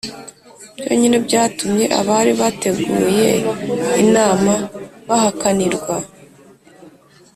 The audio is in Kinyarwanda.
byonyine byatumye abari bateguye inama bahakanirwa